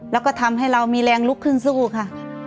แล้วก็ทำให้เรามีแรงลุกขึ้นสู้ค่ะ